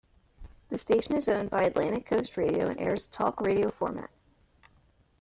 The station is owned by Atlantic Coast Radio and airs a Talk radio format.